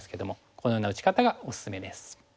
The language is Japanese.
このような打ち方がおすすめです。